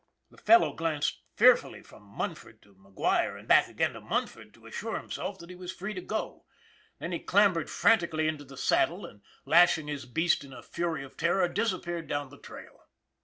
The fellow glanced fearfully from Munford to McGuire and back again to Munford to assure him self that he was free to go. Then he clambered fran MUNFORD 341 tically into the saddle and lashing his beast in a frenzy of terror disappeared down the trail.